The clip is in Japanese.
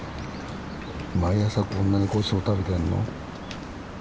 毎朝こんなにごちそう食べてるの？